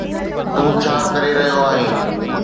تون ڇا ڪري رهيو آهين؟